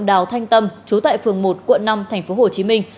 đào thanh tâm trú tại phường một quận năm thành phố hồ chí minh